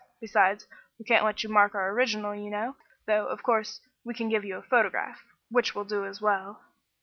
Besides, we can't let you mark our original, you know, though, of course, we can give you a photograph, which will do as well."